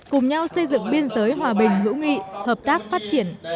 cùng nhau xây dựng biên giới hòa bình hữu nghị hợp tác phát triển